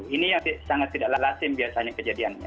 ini yang sangat tidak lalasin biasanya kejadiannya